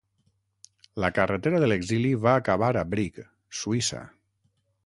La carretera de l'exili va acabar a Brig, Suïssa.